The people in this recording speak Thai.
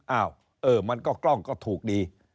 เออมันก็กล้องก็ถูกดี